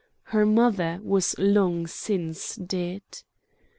Her mother was long since dead.